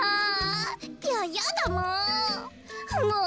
もう！